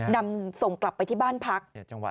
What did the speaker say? นำส่งกลับไปที่บ้านพัก